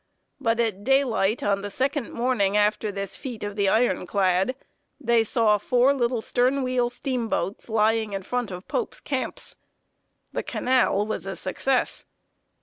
But, at daylight on the second morning after this feat of the iron clad, they saw four little stern wheel steamboats lying in front of Pope's camps. The canal was a success!